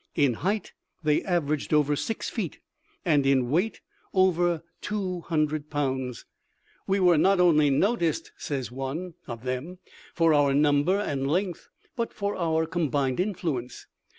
In height they averaged over six feet, and in weight over two hundred THE LIFE OF LINCOLN. 173 pounds. " We were not only noted," says one * of them, " for our number and length, but for our combined influence.